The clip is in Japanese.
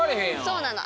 そうなの。